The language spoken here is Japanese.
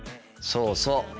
そうそう。